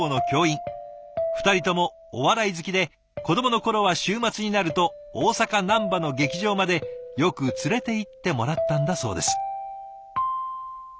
２人ともお笑い好きで子どもの頃は週末になると大阪・難波の劇場までよく連れていってもらったんだそうです。